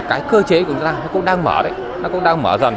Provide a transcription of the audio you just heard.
cái cơ chế của chúng ta nó cũng đang mở đấy nó cũng đang mở dần